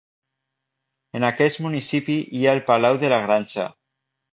En aquest municipi hi ha el palau de La Granja.